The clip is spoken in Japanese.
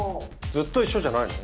ずっと一緒じゃないの？